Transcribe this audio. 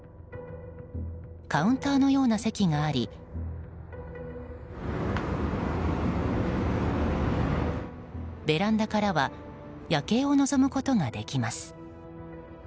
カウンターのような席がありベランダからは夜景を望むことができます。